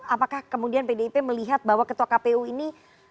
apakah kemudian pdip melihat bahwa ketua kpu ini